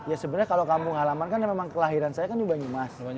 ya sebenarnya kalau kampung halaman kan memang kelahiran saya kan di banyumas